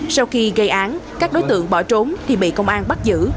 sau khi gây án các đối tượng bỏ trốn thì bị công an bắt giữ